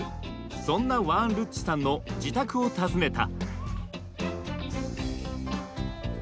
そんなワーンルッチさんの自宅を訪ねた。